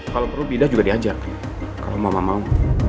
kalau perlu pindah juga diajar kalau mama mau